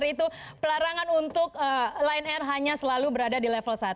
itu pelarangan untuk lion air hanya selalu berada di level satu